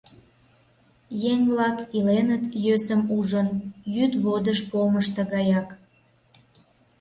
Еҥ-влак иленыт, йӧсым ужын, йӱд водыж помышто гаяк.